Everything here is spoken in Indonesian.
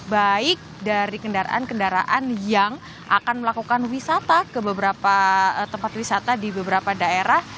jadi ini adalah dari kendaraan kendaraan yang akan melakukan wisata ke beberapa tempat wisata di beberapa daerah